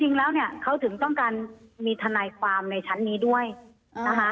จริงแล้วเนี่ยเขาถึงต้องการมีทนายความในชั้นนี้ด้วยนะคะ